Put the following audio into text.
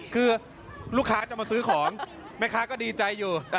คือลูกค้าจะมาซื้อของแม่ค้าก็ดีใจอยู่